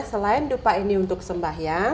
selain dupa ini untuk sembahyang